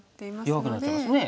弱くなっちゃいますね。